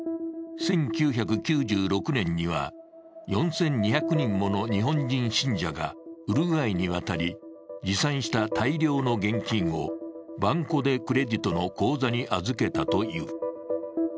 １９９６年には、４２００人もの日本人信者がウルグアイに渡り、持参した大量の現金をバンコ・デ・クレディトの口座に預けたという。